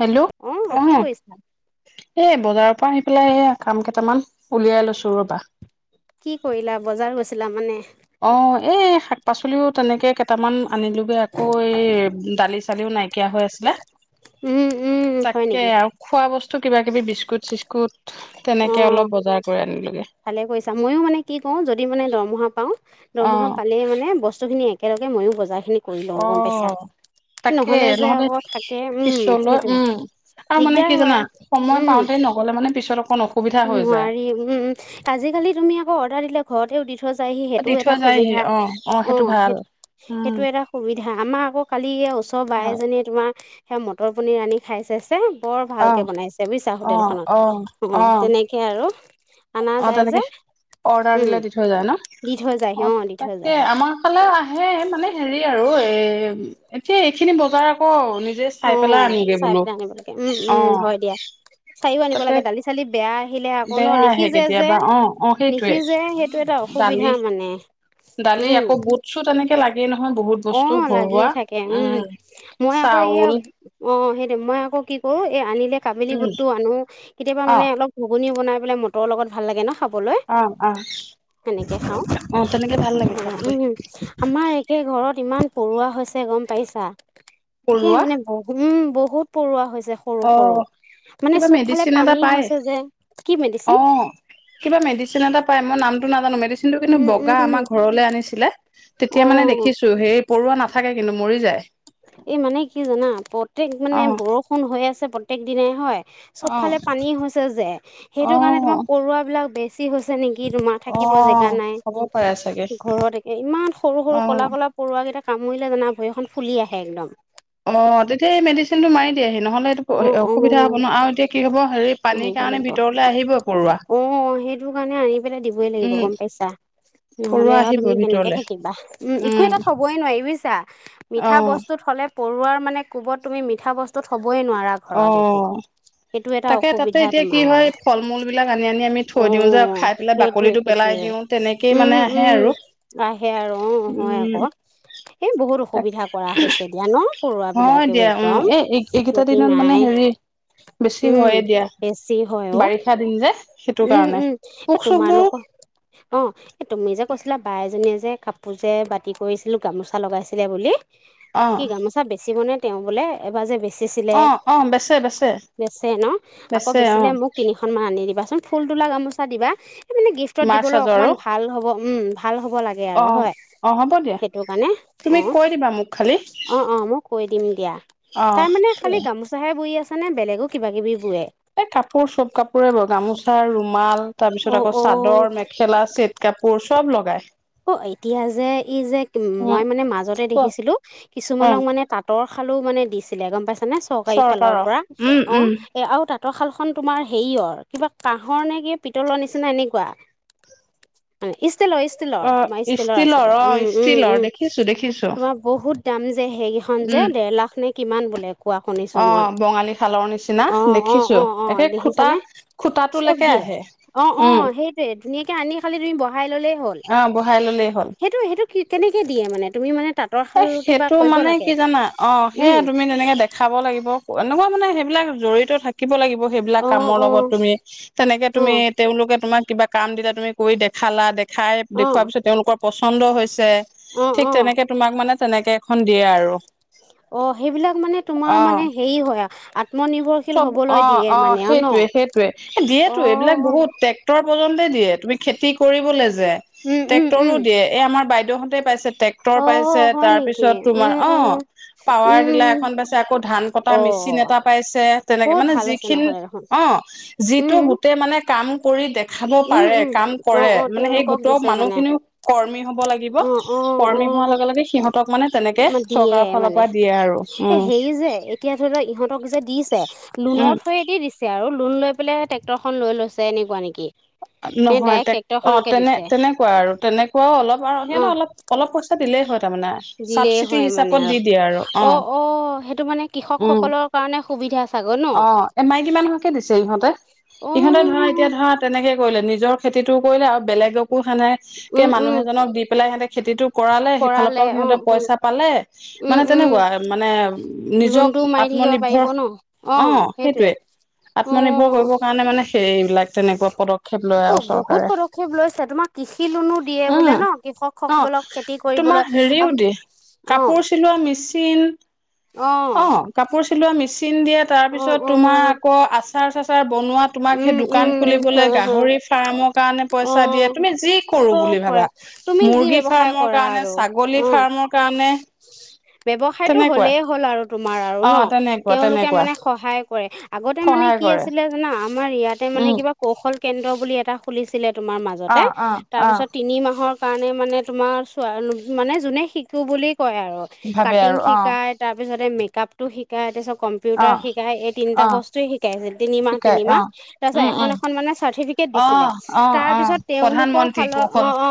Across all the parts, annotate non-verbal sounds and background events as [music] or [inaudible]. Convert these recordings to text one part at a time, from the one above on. Hello অ', কি অহ'। কৰিছা? এ বজাৰৰ পৰা আহি পেলাই এইয়া কাম কেইটামান উলিয়াই লৈছো ৰ'বা। কি কৰিলা বজাৰ গৈছিলা মানে? অ এই শাক-পাচলিও তেনেকে কেইটামান আনিলোগে আকৌ এই দালি চালিও নাই। হৈ আছিলে, উম, উম, হয় তাকে নেকি? আৰু খোৱা বস্তু। তো কিবা কিবি বিস্কুট চিস্কুট তেনেকৈ অলপ অ', বজাৰ কৰি আনিলোঁ। ভালে কৰিছা, ময়ো মানে কি কও, যদি মানে দৰমহা পাওঁ, অ দৰমহা পালেই মানে বছ বস্তুখিনি একেলগে ময়ো বজাৰ খিনি কৰি অ লওঁ গম পাইছা। তাকে যে নহ'লে আকৌ থাকে, উম, পিছলৈ সেইটোৱে। উম আৰু মানে দিগদাৰ কি হয়। জানা? সময় উম, পাওঁতে নগলে মানে পিছত আকৌ ন নোৱাৰি। উম, আজিকালি তুমি আকৌ অৰ্ডাৰ দিলে ঘৰতেও দি থৈ যায়হি দি সেইটোও এটা থৈ যায়হি সুবিধা। অ অ সেইটো ভাল সেই উম সেইটো এটা সুবিধা। আমাৰ আকৌ কালি এতিয়া ওচৰ বাই ভাল এজনীয়ে তোমাৰ সেই মটৰ পনীৰ আনি খাই চাইছে। বৰ অ ভালকে বনাইছে বুজিছা অ অ হোটেলখনত অ তেনেকে আৰু। আনা অ যাই তেনেকে যে। অৰ্ডাৰ উম দিলে দি থৈ যায় ন। দি থৈ যায়হি অ দি থৈ তাকে যায়হি আমাৰ ফালে আহে মানে হেৰি আৰু এই। এতিয়া এইখিনি বজাৰ আকৌ নি। নিজে অ চাই পেলাই আনগে চাই বোলো পেলাই আনিব লাগে উম অ উম হয় দিয়া চাইও আনিব তাকে। লাগে দালি চালি বেয়া আহিলে আকৌ ন বেয়া আহে নিসিজে যে কেতিয়াবা অহ অহ সেইটোয়ে নিসিজে সেইটো এটা অসুবিধা দালি। মানে দালি উম আকৌ বুটছো তেনেকে। অ লাগিয়ে থাকে উম মই আকৌ এয়া চাউল অ সে। মই আকৌ কি কৰো এই আনিলে কাবেলি উম বুটতো আনো কেতিয়াবা অ মানে অলপ ঘুগোনি। বনাই পেলাই মটৰৰ লগত ভাল লাগে ন। খাবলৈ অ অ। সেনেকে খাও অ তেনেকে ভাল লাগে খাবলৈ উম আমাৰ একে ঘৰত। ইমান পৰুৱা হৈছে গম পাইছা একে পৰুৱা মানে বম বহুত পৰুৱা হৈছে। সৰু অ সৰু মানে কিবা চব ফালে মেডিচিন এটা পানী পায় হৈছে যে কি অ মেডিচিন। কিবা মেডিচিন এটা পাই মই নামটো নাজানো মেডিচি। নটো কিন্তু উম উম বগা উম আমাৰ ঘৰলে আনিছিলে অ তেতিয়া মানে দেখিছো হে। পৰুৱা নাথাকে কিন্তু মৰি যায়। এই মানে কি জানা প্ৰত্যেক অ মানে বৰষুণ হৈ আছে প্ৰত্যেক দিনাই হয়। অ চবফালে পানী হৈছে যে। অ সেইটো কাৰণে তোমাৰ পৰুৱা বিলাক বেছ ছি হৈছে নেকি তোমাৰ? অ থাকিব জেগা নাই। হ'ব পাৰে চাগে ঘৰত একে ইমান সৰু অ সৰু কলা কলা পৰুৱা কেইটা কামুৰিলে জানা ভৰিখন ফুলি আহে একদম। অ, তেতিয়া এই মেডিচিনটো মাৰি দিয়েহি। নহ'লে এইটো অ অ অসুবিধা হ'ব ন আৰু এতিয়া কি হ'ব হেৰি পানীৰ মাৰিব কাৰণে লাগিব। ভিতৰলে আহিবই পৰুৱা অ, সেইটো কাৰণে আনি পেলাই দিবই লাগিব, উম গম পাইছা? পৰুৱা নহ'লে আৰু আহিব তুমি কেনেকে ভিতৰলে থাকিবা। উম একো এটা থবই নোৱাৰি বুজিছা। অ মিঠা বস্তু থলে পৰুৱাৰ মানে কোবত তুমি মিঠা বস্তুত থবই নোৱাৰা ঘৰত একো। অ সেইটো এটা তাকে তাতে অসুবিধা এতিয়া কি তোমাৰ। হয় ফল মূল বিলাক আনি আনি আমি থৈ আও দিওঁ যে অ খাই পেলাই সেইটোৱে, বাকলিটো পেলাই সেইটোৱে। দিওঁ তেনেকেই উম, মানে আহে উম আৰু আহে আৰু অ হয় উম আক'। এ বহুত অসুবিধা কৰা হৈছে এতিয়া ন পৰুৱা হয় বিলাকেও দিয়া উম একদম। এই এইকেইটা দিনত মানে নাই, হেৰি বেছি উম হয়ে দিয়া বেছি হয় অ। বাৰিষা দিন যে সেইটো উম, কাৰণে উম এ পোক চোকবোৰ তোমালোকৰ অ এ তুমি যে কৈছিলা বাই এজনীয়ে যে কাপোৰ যে বাতি কৰিছিলোঁ গামোচা লগাইছিলে বুলি। অ কি গামোচা বেচিবনে তেওঁ বোলে এবাৰ যে বেছি বেচিলে অ অ বেচে বেচে বেচে ন? আকৌ বেচে অ বেচিলে মোক তিনিখন মান আনি দিবাচোন। ফুল তোলা গামোচা দিবা। সে মানে গিফ্টত মাৰ দিবলৈ চাজৰ অকমান আৰু ভাল হ'ব, উম ভাল হ'ব লাগে অ আৰু। হয় অ হ'ব দিয়া সেইটো কাৰণে। অ, তুমি কৈ দিবা মোক খালি অ, অ মই কৈ দিম দিয়া। অ তাৰ মানে খালি গামোচাহে বৈ আছে মানে বেলেগো কিবা কিবি বোৱে। এ কাপোৰ চব কাপোৰে বই। গামোচা, ৰুমাল। তাৰ পিছত অঁ আকৌ অঁ চাদৰ, মেখেলা, চেট কাপোৰ চব লগায়। অ, বএতিয়া যে এই যে উম মই মানে মাজতে কোৱা দেখিছিলো অ কিছুমানক মানে তাঁতৰ শালো মানে দিছিলে, গম পাইছা নে? চৰকাৰী ফালৰ চৰকাৰৰ পৰা উম অ উম এ আৰু তাত ৰ শালখন তোমাৰ হেৰিয়ৰ। কিবা কাহৰ নে কি পিতলৰ নিচিনা এনেকোৱা। ইষ্টল ষ্টিলৰ অ তোমাৰ ষ্টীলৰ আছিলে অ উম উম ষ্টীলৰ উম দেখিছো দেখিছো তোমাৰ বহুত দাম যে সেইকেইখন যে উম, দেৰ লাখ নে কিমান বোলে কোৱা শুনিছো অ মই বঙালী খালৰ নিচিনা অ অ দেখিছো অ অ একে খুটা দেখিছানে চব খুটাটোলৈকে দিয়ে আহে অ অ উম সেইটোয়ে ধুনীয়াকে আনি খালি তুমি বহাই ললেই হ' অ বহাই ললেই হ'ল সেইটো, সেইটো কেনেকে দিয়ে মানে? তুমি মানে তাঁতৰশাল কিবা কৰিব লাগে? নাই অ সেয়া উম তুমি তেনেকে দেখাব লাগিব। এনেকুৱা মানে সেইবিলাক জৰিত থাকিব লাগিব। সেইবিলাক অ কামৰ অ লগত তুমি তেনেকে অ তুমি তেওঁলোকে তোমাক কিবা কাম দিতা তুমি কৰি দেখালা দে খাই অ দেখুৱাৰ পিছত তেওঁলোকৰ পচন্দ হৈছে। অ ঠিক অ তেনেকে তোমাক মানে তেনেকে এখন দিয়ে আৰু। অ, সেইবিলাক মানে তোমাৰ অ মানে হেৰি হয় আ আত্মনিৰ্ভৰশীল চব হবলৈ অ দিয়ে অ মানে আৰু ন সেইটোৱে, সেইটোৱে। অ দিয়েতো এইবিলাক বহুত ট্ৰেক্টৰ পৰ্যন্তে দিয়ে তুমি খেতি কৰিবলে যে উম উম ট্ৰেক্টৰো উম দিয়ে। এই আমাৰ বাইদেউহতে পাইছে। ট্ৰেক্টৰ অ পাইছে, হয় তাৰ নেকি পিছত তোমাৰ উম অ উম পাৱাৰ ডিলাৰ এখন উম পাইছে, আকৌ ধান কটা অ মেচি চিন এটা পাইছে। তেনেকে বহুত মানে ভাল হৈছে যিখিনি নহ'লে দেখোন অ যিটো উম গোটেই মানে কাম কৰি দেখাব উম পাৰে, উম কাম অ কৰে অ মানে সেই তেওঁলোকক গোট দিছে মানুহ মানে খিনিও কৰ্মী হব লাগিব। অ অ কৰ্মী হোৱাৰ লগে লগে সিহঁতক মানে তেনেকে অ দিয়ে চৰকাৰৰ ফালৰ মানে পৰা দিয়ে আৰু এ উম। হেৰি যে এতিয়া ইহঁতক যে দিছে লোণ উম থুৱেদি দিছে আৰু লোন লৈ পেলাই ট্ৰেক্টৰ খন লৈ লৈছে। এনেকুৱা নেকি? নে নহয় ডাইৰেক্ট তে অ ট্ৰেক্টৰখনকে তেনে দিছে তেনেকুৱা আৰু তেনেকুৱাও অলপ আৰু অ সিহ অলপ অলপ পইচা দিলেই হয় তাৰমানে দিলেই চাবচিটি হয় মানে হিচাপত দি আৰু দিয়ে অ, অ সেইটো মানে কৃষক উম সকলৰ কাৰণে সুবিধা চাগৈ ন অ, এ মাইকীমানুহকে দিছে ইহঁতে। অ ইহঁতে ধৰা এতিয়া ধৰা তেনেকে কৰিলে নিজৰ খেতিটো কৰিলে আৰু বেলেগকো সেনেক কে উম মানুহ উম এজনক দি পেলাই সিহঁতে খেতিটো কৰালে সেইফালৰ পৰাও অ সিহঁতে উম পইচা পালে উম মানে উম তেনেকুৱা মানে নিজক শিকিব পাৰিব আত্মনিৰ্ভৰ পাৰিব ন অ সেইটোৱে উ আত্মনিৰ্ভৰ কৰিবৰ কাৰণে মানে সেইবিলাক তেনেকুৱা পদক্ষেপ লয় অ আৰু বহুত চৰকাৰে পদক্ষেপ লৈছে তোমাক কৃষি লোনো দিয়ে উম বোলে ন অ কৃষকসকলে অলপ খেতি তোমাৰ কৰিবলৈ হেৰিও আহ দিয়ে কাপোৰ চিলোৱা মেচিন অ কাপোৰ চিলোৱা মেচিন দিয়া অ তাৰপিছত অ তোমাৰ আকৌ আচাৰ চাচাৰ বনোৱা তোমাক সেই উম দোকান উম খুলিবলৈ হয় হয় গাহৰি ফাৰ্মক অ চব পৰে ভাবা তুমি যি মুৰ্গী ব্যৱসায় ফাৰ্মৰ কৰা কাৰণে আৰু ছাগলী অ ফাৰ্মৰ কাৰণে ব্যৱসায়টো তেনেকুৱা হলেই হ'ল আৰু তোমাৰ আৰু ন। অ তেনেকুৱা তেওঁলোকে তেনেকুৱা মানে সহায় কৰে আগতে মানে সহায় কি কৰে আছিলে জানা আমাৰ ইয়াতে মানে উম কিবা কৌশল কেন্দ্ৰ বুলি এটা খুলিছিলে তোমাৰ মাজতে অ অ অ তাৰপিছত তিনি মাহৰ কাৰণে মানে তোমাৰ চ মানে যোনে শিকো বুলি হয় আৰু ভাবে কাটিং আৰু অ শিকাই তাৰপিছতে মেকআপতটো শিকায় তি চ অ কম্পিউটাৰ শিকাই এই তিনিটা অ বস্তুে শিকাইছে তিনিমাহ শিকাই তিনিমাহ, অ তাৰ পিছত উম এখন উম এখন মানে চাৰ্টিফ অ দিছিলে অ তাৰ অ পিছত তেওঁলোকৰ প্ৰধানমন্ত্ৰী ফালৰ অ কৌশল অ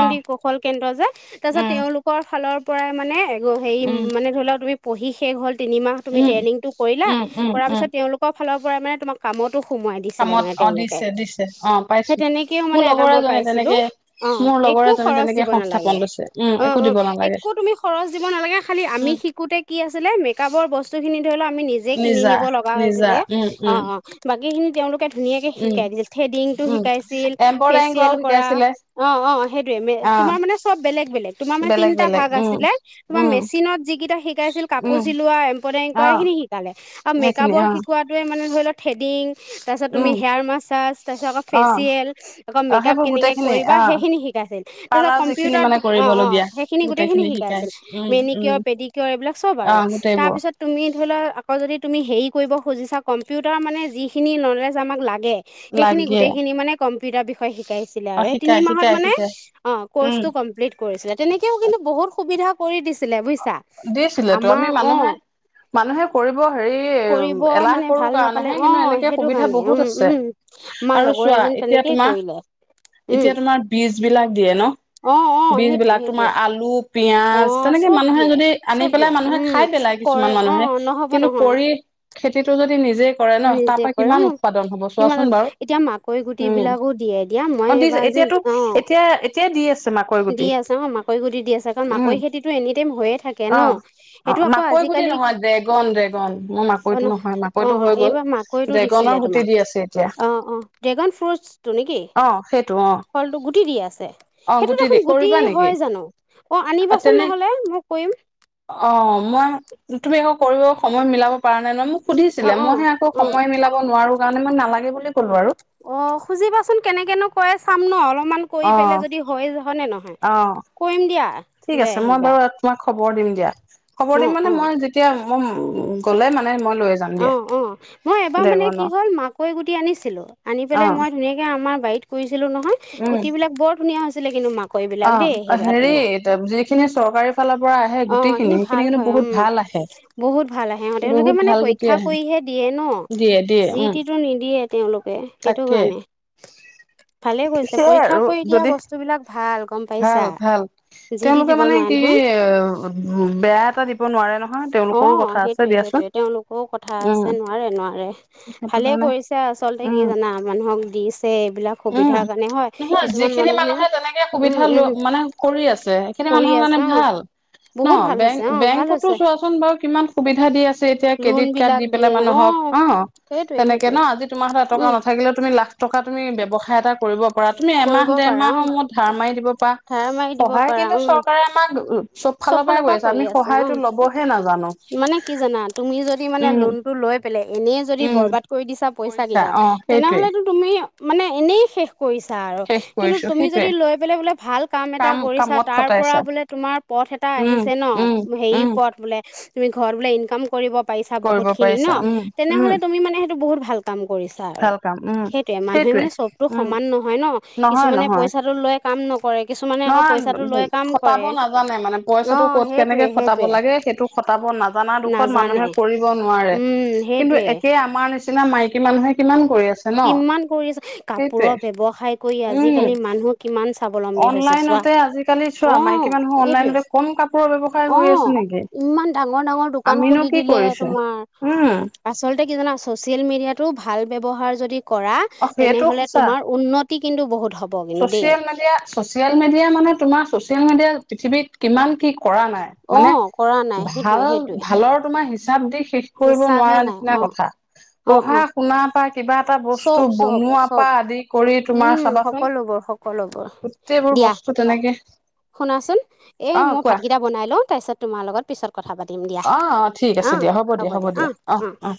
অ কৌশল কেন্দ্ৰ যে তাৰ পিছত উম তেওঁওলোকৰ ফালৰ পৰাই মানে হেৰি উম মানে ধৰি লওক তুমি পঢ়ি শেষ হ'ল। তিনিমাহ তুমি উম, ট্ৰেইনিংটো কৰিলা উম, উম, কৰাৰ উম, পিছত তেওঁলোকৰ ফালৰ পৰাই মানে তোমাক কামত টো সোমাই দিছিলে কামত মানে অ', তেওঁলোকে দিছে দিছে অ', সেই পাইছো তেনেকেও মোৰ মানে এটা লগৰ মই এজনে পাইছিলো। তেনেকে অ মোৰ লগৰ একো এজনে খৰচ তেনেকে দিব সংস্থাপন নালাগে। লৈছে উম, অ একো অ দিব নালাগে একো তুমি খৰচ দিব নালাগে খালি আমি উম, শিকোতে কি আছিলে মেকআপৰ বস্তু খিনি ধৰি লও আমি নিজে কিনি নিজা নিব লগা নিজা হৈছিলে, উম, অ উম, অ বাকি খিনি তেওঁলোকে ধুনীয়াকে উম, শিকাই দিছিল থ্ৰেডিংটো উম, আছিল এম্ব্ৰইডাৰিং কৰাও ফেচিয়েল কৰা শিকাইছিলে অ‌ অ সেইটোৱে অ', তুমা মানে চব বেলেগ বেলেগ তুমা মানে বেলেগ টা বেলেগ ভাগ উম, আছিলে তোমাৰ উম, মেচিনত যিকেইটা শিকাইছিল কাপোৰ উম, চিলোৱা, এম্ব্ৰইডাৰিং কৰা অ', সেইখিনি শিকালে আৰু সেইখিনি মেকআপৰ অ', শিকোৱাটোৱে মানে ধৰি লওক থ্ৰেডিং তাৰপিছত তুমি উম, হেয়াৰ মাছাজ তাৰপিছতকৌ অ', ফেচিয়েল আকৌ অ', মেকআপ সেইবোৰ কেনেকৈ গোটেইখিনি কৰিবা অ', সেইখিনি শিকাইছিল। তাৰপিছত পাৰ্লাৰ যিখিনি কম্পিউটাৰত মানে অঁ অঁ কৰিবলগীয়া সেইখিনি গোটেইখিনি শিকাই শিকাইছিল উম, উম, মেনিকিয়ৰ পেডিকিয়ৰ এইবিলাক চব আৰু অ', তাৰ গোটেইবোৰ পিছত তুমি [unintelligible] ধৰি লওক আকৌ যদি তুমি হেৰি কৰিব খুজিছা কম্পিউটাৰ মানে যিখিনি নলেজ আমাক লাগে। [unintelligible] সেইখিনি গোট লাগে কম্পিউটাৰ বিষয় শি শিকাইছিলে আৰু অ', সেই শিকাই তিনি মাহত শিকাই মানে শিকাই অ উম কৰ্চটো কমপ্লিট কৰিছিলে তেনেকেও কিন্তু বহুত সুবিধা। [unintelligible] কৰি দিছিলে বুজিছ দিছিলেতো আমি মানুহে মানুহে কৰিব হেৰি কৰিব এলাহ মানে কৰো ভাল নাপালে কাৰণেহে অ কিন্তু এনেকে সেইটো সুবিধা কাৰণে বহুত উম আছে। উম আমাৰ আৰু লগৰ চোৱা এজনী এতিয়া তেনেকেই তোমাৰ কৰিলে উম এতিয়া তোমাৰ বীজ বিলাক দিয়ে ন, অ অ বীজ সেইটোৱে বিলাক সেইটোৱে তোমাৰ আলু অ পিয়াজ তেনেকে চব মানুহে দিয়ে যদি আনি চব পেলাই দিয়ে মানুহে উম খাই পেলাই কৰে কিছুমান অ মানুহে। নহব কিন্তু নহয় কৰি খেতিটো যদি নিজে কৰে ন তাৰ নিজে পৰা কৰো কিমান উৎপাদন হব চোৱাচোন বাৰু কিমানত এতিয়া মাকৈ গুটি উম বিলাকো দিয়ে দিয়া অ মই দিছে এইবাৰ যে এতিয়াতো অ, এতিয়া এতিয়া দি আছে মাকৈ গুটি দি আছে অ মাকৈ গুটি দি আছে কাৰণ উম মাকৈ খেতিতটো এনিটাইম এথাকে অ ন অ সেইটো আকৌ মাকৈ গুটি আজিকালি নহয় ড্ৰেগন ড্ৰেগন মোৰ অ মাকৈটো নহয় অ মাকৈটো হৈ গ'ল এইবাৰ মাকৈটো ড্ৰেগনৰ দিছিলে গুটি তোমাক দি আছে এতিয়া অ অ ড্ৰেগন ফ্ৰুটছটো নেকি? অ সেইটো অ ফলটো গুটি দি আছে অ সেইটোত দি দেখোন গুটি কৰিবা নেকি হয় জানো? অ আনিবাচোন তেনে নহলে মই কৰিম অ মই তুমি আকৌ কৰিব সময় মিলাব পৰা নাই নহয় মোক অ সুধিছিলে অ মইহে আকৌ অ সময় মিলাব নোৱাৰো। কাৰণে মান নালাগে বুলি ক'লো আৰু অ খুজিবাচোন কেনেকেনো কৰেই চাম ন অলপ। অমান কৰি অ পেলাই যদি হয় য নে নহয় অ কৰিম দিয়া ঠিক লৈ আছে মই আহিবা বাৰু তোমাক খবৰ দিম দিয়া খবৰ অ দিম অ মানে মই যেতিয়া মই উম গ'লে মানে মই লৈ যাম অ দিয়া। অ মই এবাৰ মানে কি ড্ৰেগনৰ হ'ল মাকৈ গুটি আনিছিলো। আনি অ পেলাই মই ধুনীয়াকে আমাৰ বাৰীত কৰিছিলো নহয় উম গুটি বিলাক বৰ ধুনীয়া হৈছিলে কিন্তু মাক অ হেৰি যিখিনি চৰকাৰী ফালৰ পৰা আহে অ গুটিখিনি ভাল সেইখিনি কিন্তু হয় উম বহুত ভাল আহে বহুত ভাল আহে সিহঁ তেওঁলোকে বহুত মানে ভাল পৰিক গুটি [unintelligible] শিক্ষা আহে কৰিহে দিয়ে ন দিয়ে দিয়ে যি উম টি টো নিদিয়ে [unintelligible] তেওঁলোকে সেইটো তাকে কাৰণে ভালে কৈছে সেইয়াই পৰীক্ষা আৰু কৰি দিয়া যদি বস্তু বিলাক ভাল ভাল টি তেওঁলোকে দিব মানে নোৱাৰে কি নহয় বেয়া এটা দিব নোৱাৰে নহয় অ তেওঁলোকৰো কথা আছে সেইটোয়ে দিয়াচোন সেইটোয়ে তেওঁলোকৰও কথা উম আছে নোৱাৰে নোৱাৰে সেইটো ভালে কাৰণে কৰিছে আচল [unintelligible] তে উম কি জানা মানুহক দিছে এইবিলাক উম সুবিধাৰ কাৰণে হয় নহয় কিছুমান যিখিনি মানুহে তেনেকে উম সুবিধা লোৱা উম মানে কৰি আছে সেইখিনি কৰি মানুহৰ কাৰণে আছে অ ভাল ন বহুত ভাল বেং হৈছে অ ভাল বেংকতো হৈছে চোৱাচোন বাৰু কিমান সুবিধা দি আছে এতিয়া লোন ক্ৰেডিট কাৰ্ড বিলাক দি পেলাই দিয়ে মানুহক অ সেইটোৱে তেনেকে ন সেইটোৱে আজি তোমাৰ [unintelligible] এটকা উম নাথাকিলেও তুমি লাখ টকা তুমি ব্যয়ৱসায় এটা কৰিব পাৰা তুমি এমাহ কৰিব ডেৰ পাৰা উম মাহৰ মূৰত [unintelligible] ধাৰ মাৰি দিব সহায় পাৰা উম চৰকাৰে আমাক চব পৰাই ফালৰ পৰা কৰিছে কৰি আমি আছে অ সহায়তো লবহে নাজানো মানে কি জানা তুমি যদি মানে উম লোনটো লৈ পেলহি এনেই যদি উম বৰবাদ কৰি দিছা পইচা কৰিছা কেইটা অ সেইটোৱে তেনেহলেতো তুমি মানে এনেই শেষ [unintelligible] কৰিছা আৰু শেষ কিন্তু কৰিছো তুমি সেইটোৱে যদি লৈ পেলাই বোলে ভাল কাম এটা কৰিছা কামত তাৰ পৰা খটাইছা বোলে তোমাৰ পথ এটা উম আহিছে ন উম হেৰি উম ওপৰত বোলে তুমি ঘৰত বোলে ইনকাম কৰিব পাৰিছা বহুত কৰিব খিনি ন পাৰিছা উম উম তেনেহলে তুমি মানে সেইটো বহুত ভাল কাম কৰিছা আৰু ভাল কাম উম সেইটো মানুহে সেইটোৱে মানে চবটো উম সমান নহয় ন কিছুমানে পইচাটো লৈ কাম নকৰে কিছুমানে আকৌ নহ পইচাটো লৈ কাম শটাব কৰে নাজো [unintelligible] হোৱানাই মানে অ পইচাটো ক'ত কেনেকে সেইটোৱে খটাব সেইটোৱে লাগে সেইটো খটাব নাজানা দুখত মানুহে নাজানে কৰিব নোৱাৰে উম [unintelligible] কিন্তু সেইটোৱে এতিয়া আমাৰ নিচিনা মাইকী মানুহে কিমান কৰি আছে ন কিমান কৰিছ সেইটোৱে কাপোৰৰ ব্যৱসায়। কৰি উম আজিকালি মানুহ কিমান স্বাৱলম্ব [unintelligible] বি হৈছে চোৱা অনলাইনতে আজিকালি চোৱা আহ মাইকী মানুহ সেইটোৱে অনলাইনতে কম কাপোৰৰ ব্যৱসায় অ কৰি আছে নেকি ইমান [unintelligible] ডাঙৰ ডাঙৰ দোকান আমিনো খুলি কি দিলে কৰিছো তোমাৰ উম আচলতে কি জানা চচিয়েল মিডিয়াত টো ভাল ব্যৱহাৰ যদি কৰা অ সেইটো তেনেহলে সঁচা তোমাৰ উন্নতি কিন্তু বহুত হ'ব কিন্তু দেই ছচিয়েল মিডিয়া ছচিয়েল মিডিয়া মানে তোমাৰ চচিয়েল মিডিয়া পৃথিৱীত অ কৰা নাই সেইটোৱে ভাল সেইটোৱে ভালৰ তোমাৰ হিচাপ দি শেষ কৰিব হিচাপেই নোৱাৰা নাই নিচিনা অ কথা। অ পঢ়া অ শুনা পা কিবা এটা বস্তু চব বনোৱাৰ চব পৰা আদি কৰি তোমাৰ উম চাবাচোন সকলোবোৰ সকলোবোৰ গোটেইবোৰ দিয়া বস্তু তেনেকে [unintelligible] শুনাচোন এই অ মই কোৱা ভাতকেইটা বনাই লো তাৰ পিছত তোমাৰ লগত পিছত কথা পাতিম দিয়া অ অ ঠিক আছে অঁ দিয়া হ'ব দিয়া হ'ব দিয়া অঁ অ অঁ অ